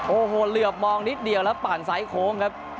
โอ้โหเหลือบมองนิดเดียวแล้วปั่นซ้ายโค้งครับ